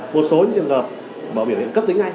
một số trường hợp bảo biểu hiện cấp tính ngay